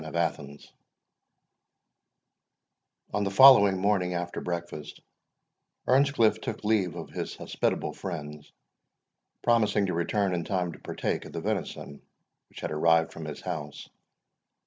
TIMON OF ATHENS On the following morning, after breakfast, Earnscliff took leave of his hospitable friends, promising to return in time to partake of the venison, which had arrived from his house.